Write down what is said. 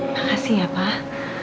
makasih ya pak